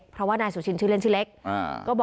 ประตู๓ครับ